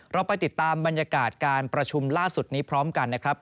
เราไปติดตามบรรยากาศการประชุมล่าสุดนี้พร้อมกันนะครับ